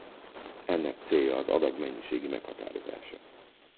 Ennek célja az adag mennyiségi meghatározása.